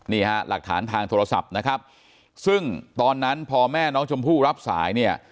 นี่ฮะหลักฐานทางโทรศัพท์นะครับซึ่งตอนนั้นพอแม่น้องชมพู่รับสายเนี่ย